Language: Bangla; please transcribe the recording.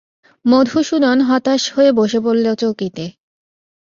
মধুসূদন হতাশ হয়ে বসে পড়ল চৌকিতে।